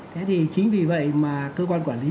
thế thì chính vì vậy mà cơ quan quản lý